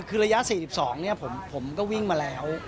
คือระยะ๔๒ผมก็วิ่งมาแล้ว